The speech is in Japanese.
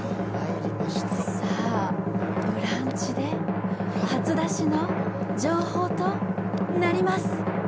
さあ、「ブランチ」で初出しの情報となります。